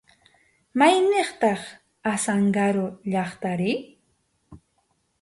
¿Mayniqtaq Azángaro llaqtari?